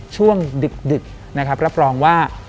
ช่วงดึกนะครับรับรองว่า